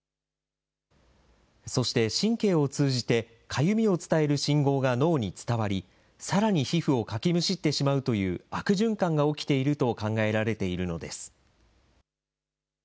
そして、神経を通じて、かゆみを伝える信号が脳に伝わり、さらに皮膚をかきむしってしまうという悪循環が起きていると考えられているのです。